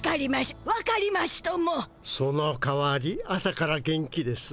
そのかわり朝から元気です。